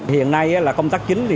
hiện nay là công tác chính